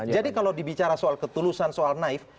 jadi kalau dibicara soal ketulusan soal naif